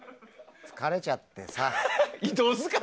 疲れちゃってさ。